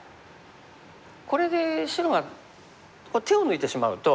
これで白が手を抜いてしまうと。